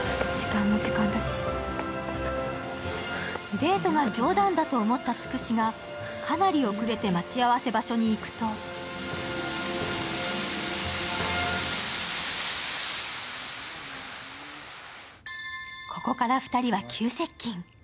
デートが冗談だと思ったつくしがかなり遅れて待ち合わせ場所に行くとここから２人は急接近。